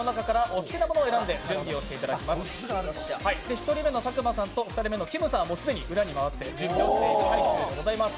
１人目の佐久間さんと２人目のきむさんは既に裏に回って準備をしている最中でございます。